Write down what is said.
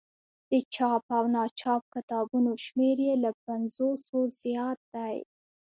د چاپ او ناچاپ کتابونو شمېر یې له پنځوسو زیات دی.